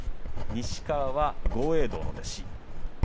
西川は豪栄道の弟子。